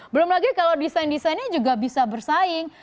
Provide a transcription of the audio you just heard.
belum lagi kalau desain desainnya juga bisa bersaing